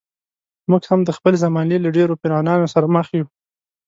موږ هم د خپلې زمانې له ډېرو فرعونانو سره مخ یو.